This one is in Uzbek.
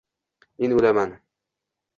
men o’laman…